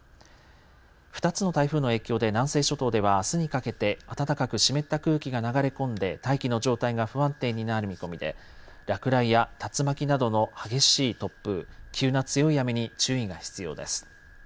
２つの台風の影響で南西諸島ではあすにかけて暖かく湿った空気が流れ込んで大気の状態が不安定になる見込みで落雷や竜巻などの激しい突風、急な強い雨に注意が必要です。